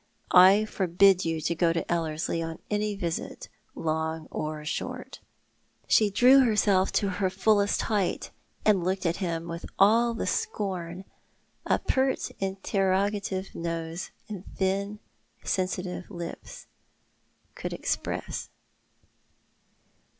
I forbid you to go to Ellerslie on any visit — long or short." She drew herself to her fullest height and looked at him witli all the scorn a pert interrogative nose and thin sensitive lips could express.